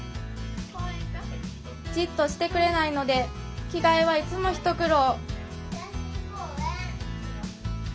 じっとしてくれないので着替えはいつも一苦労